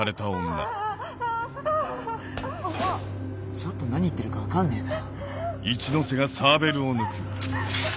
ちょっと何言ってるか分かんねえな。